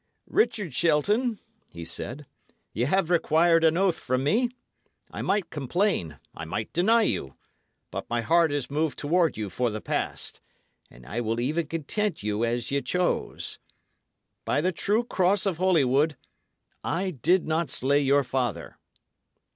"Richard Shelton," he said, "ye have required an oath from me. I might complain, I might deny you; but my heart is moved toward you for the past, and I will even content you as ye choose. By the true cross of Holywood, I did not slay your father."